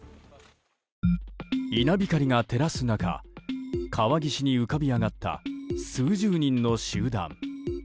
稲光が照らす中、川岸に浮かび上がった数十人の集団。